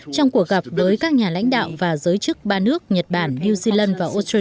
trong cuộc gặp với các nhà lãnh đạo và giới chức ba nước nhật bản new zealand